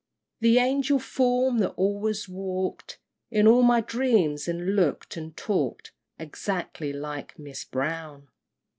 The angel form that always walk'd In all my dreams, and look'd and talk'd Exactly like Miss Brown!